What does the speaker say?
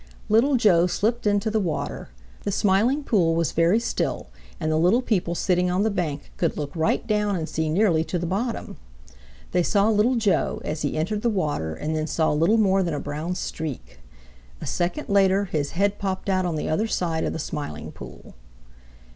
Little Joe slipped into the water. The Smiling Pool was very still and the little people sitting on the bank could look right down and see nearly to the bottom. They saw Little Joe as he entered the water and then saw little more than a brown streak. A second later his head popped out on the other side of the Smiling Pool.